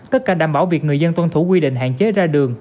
tất cả đảm bảo việc người dân tuân thủ quy định hạn chế ra đường